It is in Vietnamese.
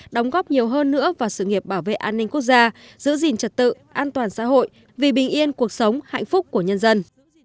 đóng góp nhiều hơn nữa vào sự nghiệp bảo vệ an ninh quốc gia giữ gìn trật tự an toàn xã hội vì bình yên cuộc sống hạnh phúc của nhân dân